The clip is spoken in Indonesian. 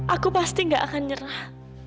aku pasti gak akan nyerah